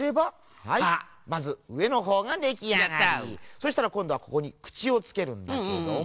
そしたらこんどはここにくちをつけるんだけども。